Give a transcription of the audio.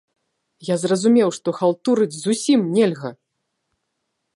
Я зразумеў, што халтурыць зусім нельга!